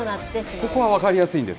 ここは分かりやすいんです。